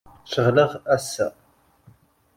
Ceɣleɣ ass-a.